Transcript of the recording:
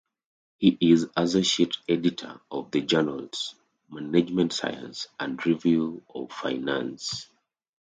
He is Associate Editor of the journals "Management Science" and "Review of Finance".